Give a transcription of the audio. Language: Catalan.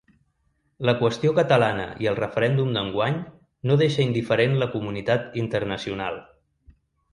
La qüestió catalana i el referèndum d’enguany no deixa indiferent la comunitat internacional.